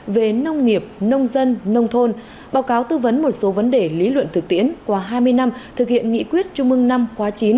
về nông nghiệp nông dân nông thôn báo cáo tư vấn một số vấn đề lý luận thực tiễn qua hai mươi năm thực hiện nghị quyết chung mừng năm khóa chín